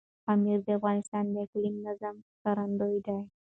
پامیر د افغانستان د اقلیمي نظام ښکارندوی ده.